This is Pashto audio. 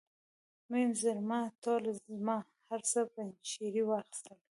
میم زرما ټوله یې زما، هر څه پنجشیر واخیستل.